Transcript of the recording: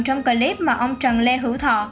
trong clip mà ông trần lê hữu thọ